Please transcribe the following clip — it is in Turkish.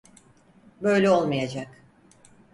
Böyle olmayacak.